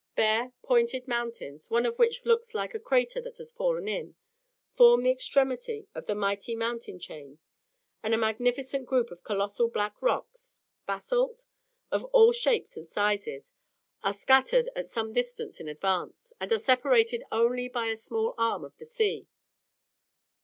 Bare, pointed mountains, one of which looks like a crater that has fallen in, form the extremity of the mighty mountain chain, and a magnificent group of colossal black rocks (basalt?), of all shapes and sizes, are scattered at some distance in advance, and are separated only by a small arm of the sea.